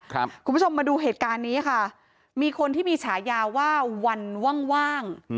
คุณผู้ชมมาดูเหตุการณ์นี้ค่ะมีคนที่มีฉายาว่าวันว่างว่าง